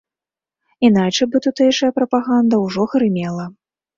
Іначай бы тутэйшая прапаганда ўжо грымела.